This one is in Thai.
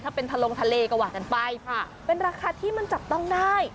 ถ้าเป็นทะลงทะเลก็ว่ากันไปค่ะเป็นราคาที่มันจับต้องได้